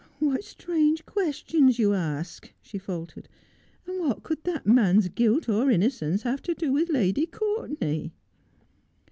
' What strange questions you ask !' she faltered ;' and what could that man's guilt or innocence have to do with Lady Courtenay